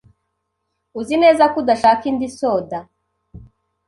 Uzi neza ko udashaka indi soda?